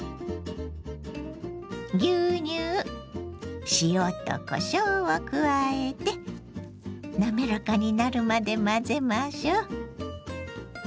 牛乳塩とこしょうを加えて滑らかになるまで混ぜましょう。